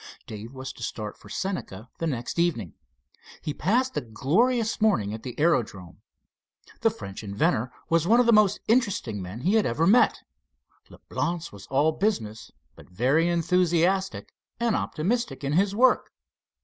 Dave was to start for Senca the next evening. He passed a glorious morning at the aerodrome. The French inventor was one of the most interesting men he had ever met. Leblance was all business, but very enthusiastic and optimistic in his work.